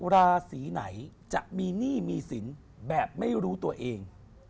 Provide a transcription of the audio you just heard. ราศีไหนจะมีหนี้มีสินแบบไม่รู้ตัวเอง